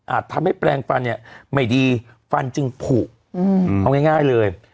ทำให้แปลงฟันเนี่ยไม่ดีฟันจึงผูกเอาง่ายเลย